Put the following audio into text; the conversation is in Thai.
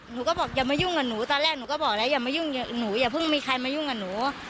หนูก็บอกอย่ามายุ่งกับหนูตอนแรกหนูก็บอกแล้วอย่ามายุ่งหนูอย่าเพิ่งมีใครมายุ่งกับหนู